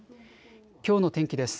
きょうの天気です。